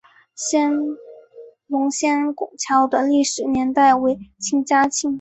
龙仙拱桥的历史年代为清嘉庆。